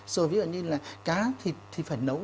rồi ví dụ như là cá thì phải nấu